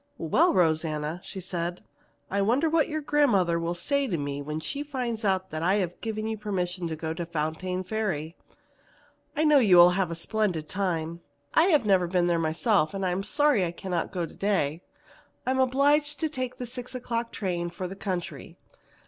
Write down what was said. "Well, Rosanna," she said, "I wonder what your grandmother will say to me when she finds out that I have given you permission to go to Fontaine Ferry? I know you will have a splendid time. I have never been there myself, and I am sorry that I can't go today. I am obliged to take the six o'clock train for the country.